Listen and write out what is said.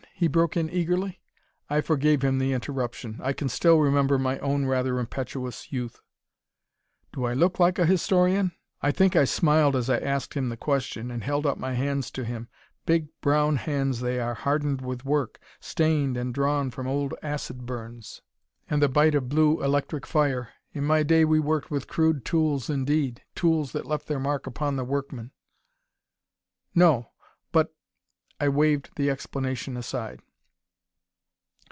he broke in eagerly. I forgave him the interruption. I can still remember my own rather impetuous youth. "Do I look like a historian?" I think I smiled as I asked him the question, and held out my hands to him. Big brown hands they are, hardened with work, stained and drawn from old acid burns, and the bite of blue electric fire. In my day we worked with crude tools indeed; tools that left their mark upon the workman. "No. But " I waved the explanation aside.